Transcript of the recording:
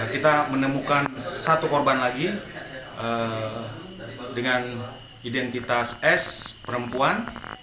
kita menemukan satu korban lagi dengan identitas s perempuan